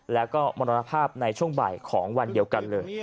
แล้วก็มรณภาพในช่วงบ่ายของวันเดียวกันเลย